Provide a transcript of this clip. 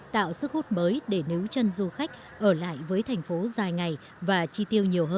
tạo sức hút mới để níu chân du khách ở lại với thành phố dài ngày và chi tiêu nhiều hơn